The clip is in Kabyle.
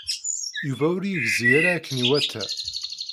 Yuba ur yegzi ara akken iwata.